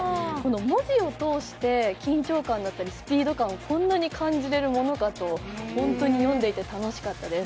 文字を通して緊張感だったり、スピード感をこんなに感じられるものかと本当に読んでいて楽しかったです。